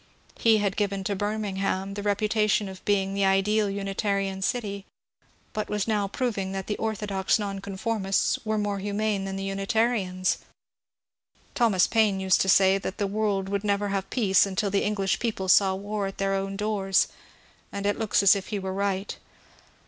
He had given to Birmingham the reputation of being the ideal Unita rian city, but was now proving that the orthodox Nonconformists were more humane than the Unitarians. Thomas Paine used to say that the world would never have peace until the English people saw war at their own doors, and it looks as if he were right.